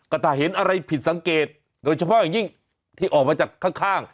ก็ถ้าเห็นอะไรผิดสังเกตโดยเฉพาะอย่างยิ่งที่ออกมาจากข้าง